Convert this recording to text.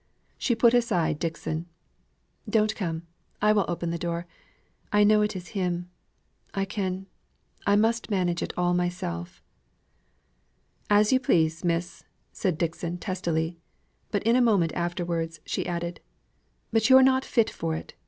She put aside Dixon. "Don't come; I will open the door. I know it is him I can I must manage it all myself." "As you please, miss!" said Dixon, testily; but in a moment afterwards, she added, "But you're not fit for it.